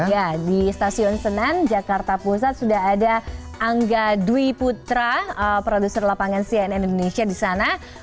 ya di stasiun senen jakarta pusat sudah ada angga dwi putra produser lapangan cnn indonesia di sana